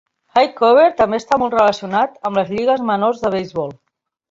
Hi Corbett també està molt relacionat amb les lligues menors de beisbol.